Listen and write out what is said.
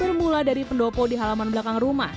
bermula dari pendopo di halaman belakang rumah